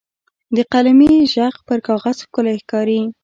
د قلمي ږغ پر کاغذ ښکلی ښکاري.